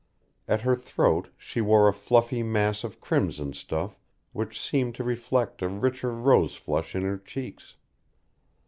At her throat she wore a fluffy mass of crimson stuff which seemed to reflect a richer rose flush in her cheeks.